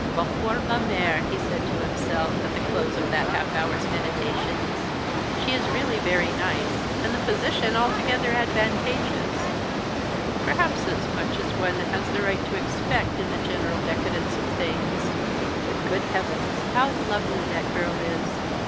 "Va pour la mère," he said to himself, at the close of that half hour's meditations; "she is really very nice, and the position altogether advantageous, perhaps as much as one has the right to expect in the general decadence of things. But, good heavens, how lovely that girl is!